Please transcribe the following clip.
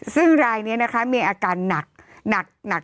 ซึ่งรายนี้นะคะมีอาการหนัก